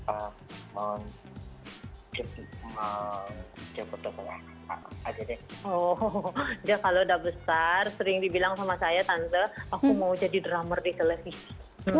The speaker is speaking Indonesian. oh dia kalau udah besar sering dibilang sama saya tante aku mau jadi drummer di televisi